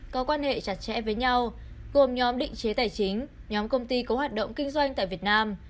có quan hệ chặt chẽ với nhau gồm nhóm định chế tài chính nhóm công ty có hoạt động kinh doanh tại việt nam